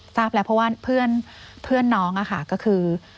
ทราบแล้วเพราะว่าเพื่อนน้องค่ะก็คือ